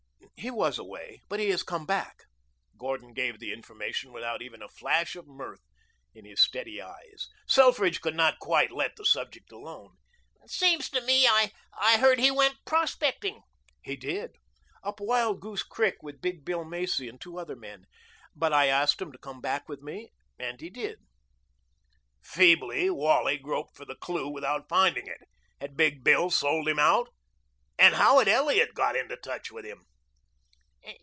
"He was away. But he has come back." Gordon gave the information without even a flash of mirth in his steady eyes. Selfridge could not quite let the subject alone. "Seems to me I heard he went prospecting." "He did. Up Wild Goose Creek, with Big Bill Macy and two other men. But I asked him to come back with me and he did." Feebly Wally groped for the clue without finding it. Had Big Bill sold him out? And how had Elliot got into touch with him?